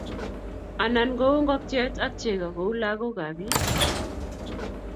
Anan ko ngokyet ak chego kou lagokab bik